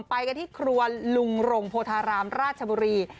ไปกันที่ครัวลุงรงโพธารามราชบุรี